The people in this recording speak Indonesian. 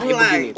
berani banget dia